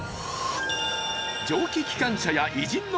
蒸気機関車や偉人の邸宅も！